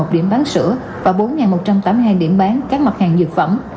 một bảy trăm một mươi một điểm bán sữa và bốn một trăm tám mươi hai điểm bán các mặt hàng dược phẩm